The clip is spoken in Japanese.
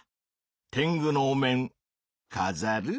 てんぐのお面かざる？